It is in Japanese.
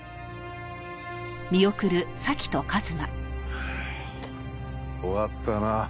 はあ終わったな。